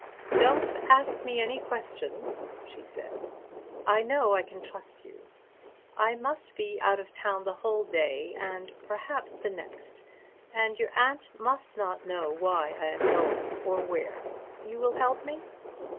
"Don't ask me any questions," she said. "I know I can trust you. I must be out of town the whole day, and perhaps the next. And your aunt must not know why I am going or where. You will help me?"